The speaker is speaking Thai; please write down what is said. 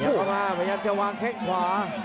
เดี๋ยวก็มาพยายามจะวางแข้งขวา